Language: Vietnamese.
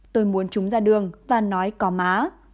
tôi muốn chúng ra đường và nói có má